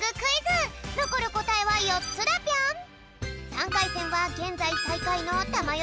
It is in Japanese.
３かいせんはげんざいさいかいのたまよ